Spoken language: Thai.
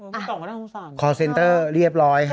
๒๒ล้านถูก๓๒ล้านคอร์ลเซ็นเตอร์เรียบร้อยค่ะ